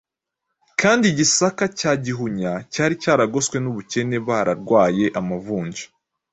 kandi i Gisaka cy’i Gihunya cyari yaragoswe n’ubukene bararwaye amavunja,